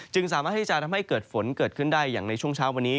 สามารถที่จะทำให้เกิดฝนเกิดขึ้นได้อย่างในช่วงเช้าวันนี้